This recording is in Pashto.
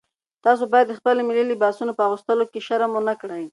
تاسي باید د خپلو ملي لباسونو په اغوستلو شرم ونه کړئ.